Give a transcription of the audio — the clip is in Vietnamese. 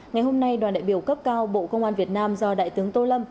ngày hôm nay đoàn đại biểu cấp cao bộ công an việt nam do đại tướng tô lâm